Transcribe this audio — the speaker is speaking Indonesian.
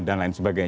dan lain sebagainya